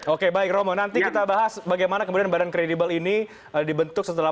oke baik romo nanti kita bahas bagaimana kemudian badan kredibel ini dibentuk setelah